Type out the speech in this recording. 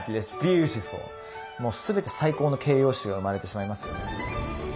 もう全て最高の形容詞が生まれてしまいますよね。